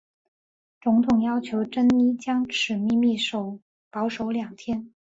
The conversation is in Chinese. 总统要求珍妮将此秘密保守两天。